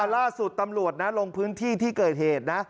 ล่าสุดตำรวจนะลงพื้นที่ที่เกิดเหตุนะ